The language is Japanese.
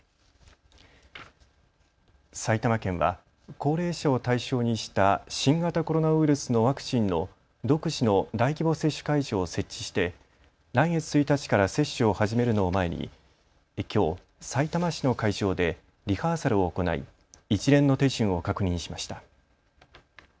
埼玉県は高齢者を対象にした新型コロナウイルスのワクチンの独自の大規模接種会場を設置して来月１日から接種を始めるのを前にきょう、さいたま市の会場でリハーサルを行い一連の手順を確認しました。